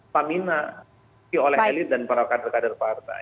yang dimiliki oleh elite dan para kader kader partai